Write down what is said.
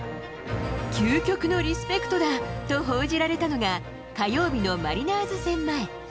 究極のリスペクトだと報じられたのが、火曜日のマリナーズ戦前。